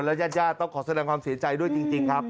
ญาติญาติต้องขอแสดงความเสียใจด้วยจริงครับ